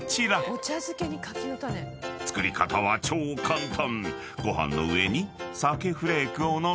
［作り方は超簡単］